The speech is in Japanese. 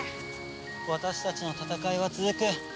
私たちの戦いは続く。